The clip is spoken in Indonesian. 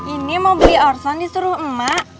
ini mau beli orsen disuruh emak